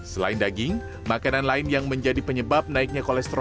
selain daging makanan lain yang menjadi penyebab naiknya kolesterol